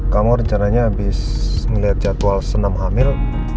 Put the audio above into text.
kamu rencananya habis melihat jadwal senam hamil